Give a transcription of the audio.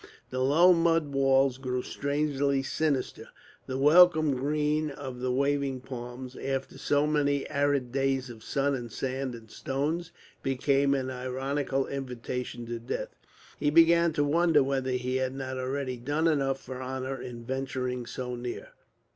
The low mud walls grew strangely sinister; the welcome green of the waving palms, after so many arid days of sun and sand and stones, became an ironical invitation to death. He began to wonder whether he had not already done enough for honour in venturing so near.